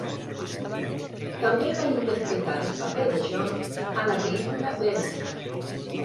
També va interpretar el paper de John a la pel·lícula "Beneath".